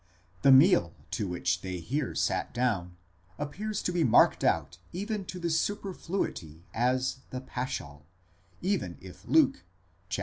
20): the meal to which they here sat down appears to be marked out even to the superfluity as the paschal, even if Luke (xxii.